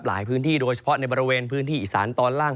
หลายพื้นที่โดยเฉพาะในบริเวณพื้นที่อีสานตอนล่าง